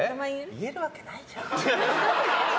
言えるわけないじゃん。